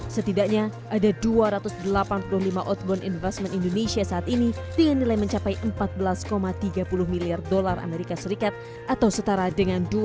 setidaknya ada dua ratus delapan puluh lima outbound investment indonesia saat ini dengan nilai mencapai empat belas tiga puluh miliar dolar amerika serikat atau setara dengan dua ribu dua puluh